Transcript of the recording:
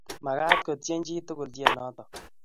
Magat kotyen chi tukul tyenotok.